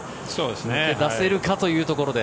抜け出せるかというところで。